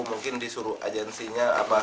mungkin disuruh agensinya